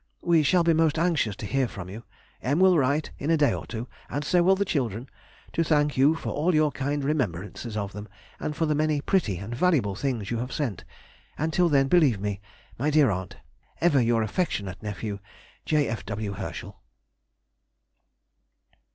We shall be most anxious to hear from you. M. will write in a day or two (and so will the children) to thank you for all your kind remembrances of them, and for the many pretty and valuable things you have sent; and till then, believe me, My dear aunt, Ever your affectionate nephew, J. F. W. HERSCHEL.